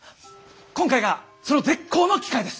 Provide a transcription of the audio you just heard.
今回がその絶好の機会です。